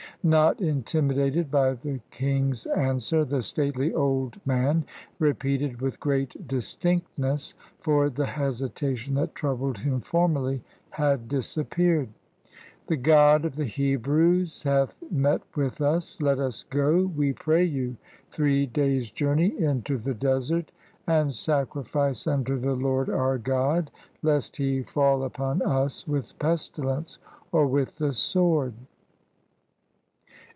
Not intimidated by the king's answer, the stately old man repeated wdth great distinctness, for the hesitation that troubled him formerly had disappeared, — "The God of the Hebrews hath met with us; let us go, we pray you, three days' journey into the desert, and sacrifice imto the Lord our God, lest he fall upon us with pestilence, or with the sword."